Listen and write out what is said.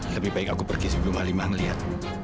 lebih baik aku pergi sebelum alimah ngeliat